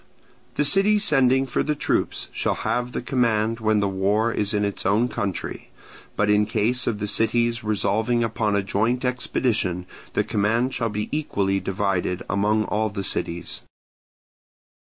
The city sending for the troops shall have the command when the war is in its own country: but in case of the cities resolving upon a joint expedition the command shall be equally divided among all the cities.